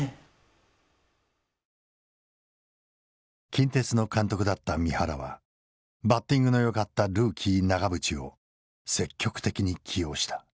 近鉄の監督だった三原はバッティングのよかったルーキー永淵を積極的に起用した。